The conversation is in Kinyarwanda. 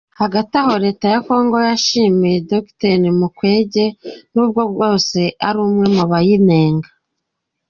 Hagati aho, leta ya Kongo yashimiye Dogiteri Mukwege, nubwo bwose ari umwe mu bayinenga.